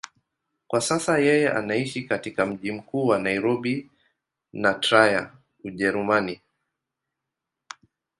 Kwa sasa yeye anaishi katika mji mkuu wa Nairobi na Trier, Ujerumani.